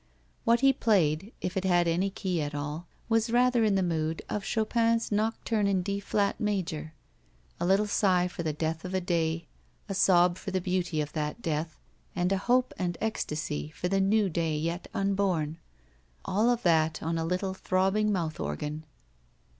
What he played, if it had any key at all, was rather in the mood of Chopin's Nocttame in D flat major. A little sigh for the death of a day, a sob for the beauty of that death, and a hope and ecstasy for the new day yet unborn — all of that on a little throbbing mouth organ.